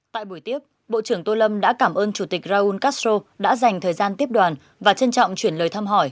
tại buổi tiếp bộ trưởng tô lâm đã cảm ơn chủ tịch raúl castro đã dành thời gian tiếp đoàn và trân trọng chuyển lời thăm hỏi